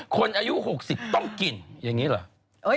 คนอายุ๖๐ต้องกินอย่างนี้เหรอ